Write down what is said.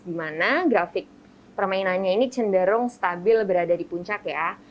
dimana grafik permainannya ini cenderung stabil berada di puncak ya